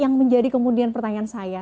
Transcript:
yang menjadi kemudian pertanyaan saya